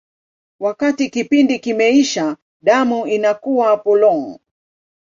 Wakati kipindi kimeisha, damu inakuwa polong.